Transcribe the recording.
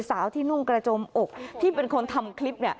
สาวที่นุ่งกระจมอกที่เป็นคนทำคลิปเนี่ย